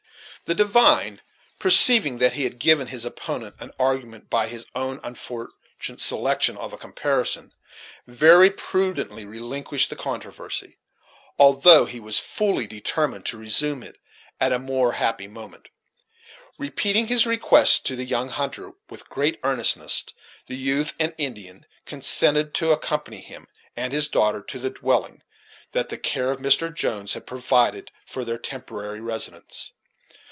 The divine, perceiving that he had given his opponent an argument by his own unfortunate selection of a comparison, very prudently relinquished the controversy; although he was fully determined to resume it at a more happy moment, Repeating his request to the young hunter with great earnestness, the youth and Indian consented to accompany him and his daughter to the dwelling that the care of Mr. Jones had provided for their temporary residence.